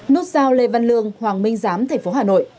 nút giao lê văn lương hoàng minh giám thành phố hà nội